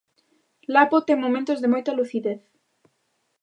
Lapo ten momentos de moita lucidez.